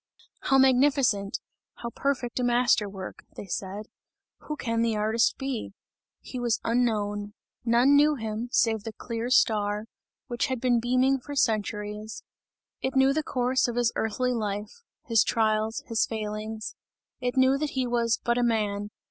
"How magnificent! How perfect a master work!" they said. "Who can the artist be?" He was unknown. None knew him, save the clear star, which had been beaming for centuries; it knew the course of his earthly life, his trials, his failings; it knew that he was: "but a man!"